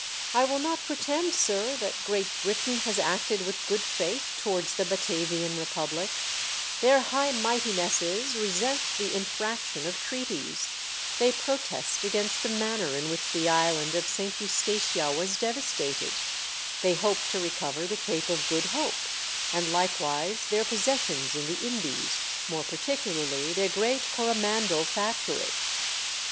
I will not pretend, sir, that Great Britain has acted with good faith towards the Batavian Re public ; their High Mightinesses resent the infraction of treaties ; they protest against the manner in which the island of St. Eustatia was devastated ; they hope to recover the Cape of Good Hope, and likewise their pos sessions in the Indies, more particularly their great Coromandel factory."